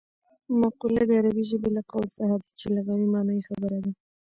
مقوله د عربي ژبې له قول څخه ده چې لغوي مانا یې خبره ده